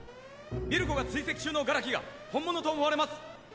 ミルコが追跡中の殻木が本物と思われます。